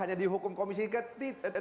hanya dihukum komisi tiga